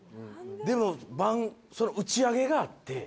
でも打ち上げがあって。